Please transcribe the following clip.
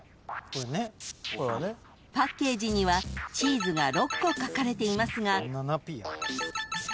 ［パッケージにはチーズが６個描かれていますが］